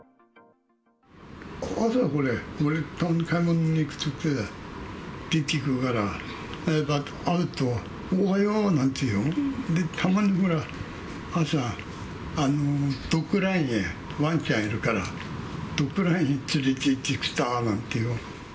朝、買い物に行くとき、出てくるから、会うと、おはようなんてよ、たまにほら、朝、ドッグランへ、わんちゃんいるから、ドッグランへ連れていってきたなんてよ。